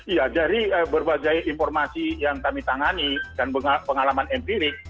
iya dari berbagai informasi yang kami tangani dan pengalaman empirik